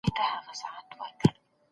د ډېر فکر څخه ځان وساته